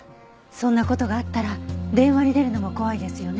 そんな事があったら電話に出るのも怖いですよね。